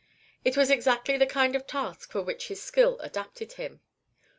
It was exactly the kind of task for which his skill adapted him.